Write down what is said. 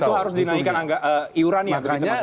karena itu harus dinaikkan iuran ya